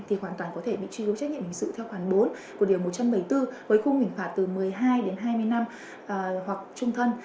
thì hoàn toàn có thể bị truy vô trách nhiệm hình sự theo khoản bốn của điều một trăm bảy mươi bốn với khung hình phạt từ một mươi hai đến hai mươi năm hoặc trung thân